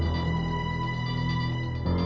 gustaf akan selalu jagain nonila sendiri